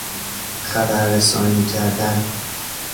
خبررسانی کردن